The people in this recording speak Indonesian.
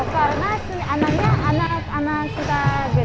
karena anaknya anak anak sudah gede